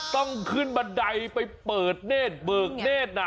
ต้องขึ้นบันไดไปเปิดเนธเบิกเนธนะ